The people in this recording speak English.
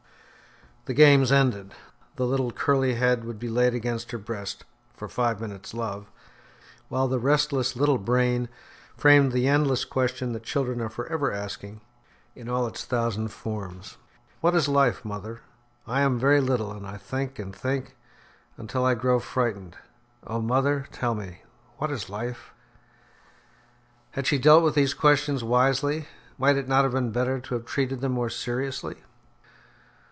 The games ended. The little curly head would be laid against her breast "for five minutes' love," while the restless little brain framed the endless question that children are for ever asking in all its thousand forms, "What is life, mother? I am very little, and I think, and think, until I grow frightened. Oh, mother, tell me, what is life?" Had she dealt with these questions wisely? Might it not have been better to have treated them more seriously?